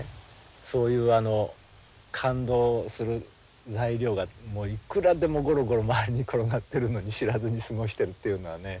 そういう感動する材料がもういくらでもごろごろ周りに転がってるのに知らずに過ごしてるっていうのはね。